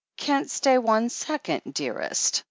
"... Can't stay one second, dearest.